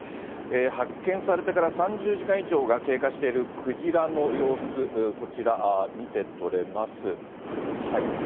発見されてから３０時間以上が経過しているクジラの様子、こちら、見て取れます。